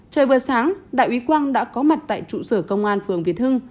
trời vừa sáng đại úy quang đã có mặt tại trụ sở công an phường việt hưng